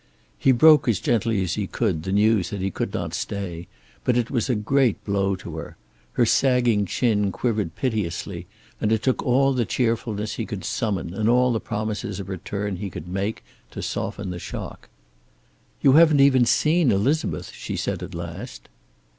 He broke as gently as he could the news that he could not stay, but it was a great blow to her. Her sagging chin quivered piteously, and it took all the cheerfulness he could summon and all the promises of return he could make to soften the shock. "You haven't even seen Elizabeth," she said at last.